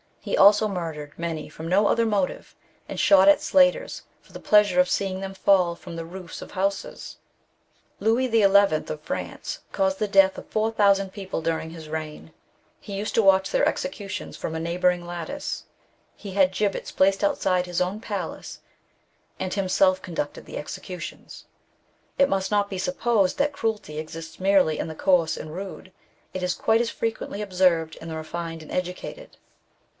He also murdered many from no other motive, and shot at slaters for the pleasure of seeing them fall from the roofs of houses. Louis XI. of France caused the death of 4,000 people during his reign ; he used to watch their execu tions from a neighboming lattice. He had gibbets placed outside his own palace, and himself conducted the executions. ^v It must not be supposed that cruelty exists merely in the coarse and rude ; it is quite as frequently observed in the refined and educated.